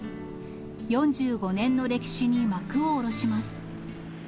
４５年の歴史に幕を下ろします。